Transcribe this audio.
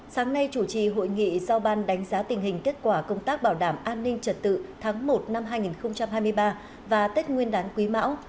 sáng nay chủ trì hội nghị giao ban đánh giá tình hình kết quả công tác bảo đảm an ninh trật tự tháng một năm hai nghìn hai mươi ba và tết nguyên đán quý mão